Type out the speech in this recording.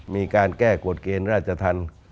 มีการแก้กฎเกณฑ์ราชธรรม